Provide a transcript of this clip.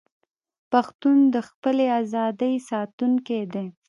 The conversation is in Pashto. پښتون د خپلې ازادۍ ساتونکی دی.